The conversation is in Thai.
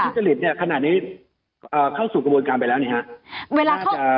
ถ้าเรื่องทุจริตเนี่ยขนาดนี้อ่าเข้าสู่กระบวนการไปแล้วเนี่ยฮะเวลาเข้า